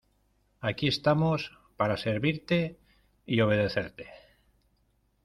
Aquí estamos para servirte y obedecerte.